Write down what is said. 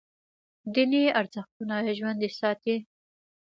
دیني ارزښتونه ژوندي ساتي.